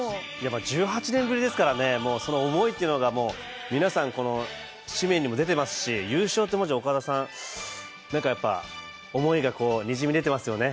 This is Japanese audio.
１８年ぶりですからねその思いっていうのが皆さん紙面にも出てますし優勝という文字、岡田さん思いがにじみ出てますよね。